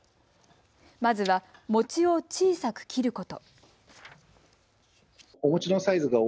まずは餅を小さく切ること。